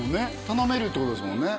頼めるってことですもんね